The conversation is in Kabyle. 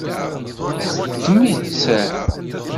Ddem-itt.